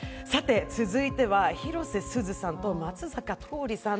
続いては広瀬すずさんと松坂桃李さん